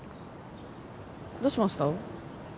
どうしました？